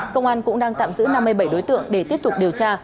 công an cũng đang tạm giữ năm mươi bảy đối tượng để tiếp tục điều tra